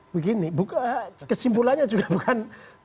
begini bukan kesimpulannya juga bukan serta merata sebetulnya